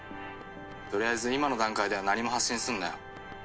とりあえず今の段階では何も発信すんなよ。